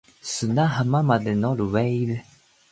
砂浜まで乗る wave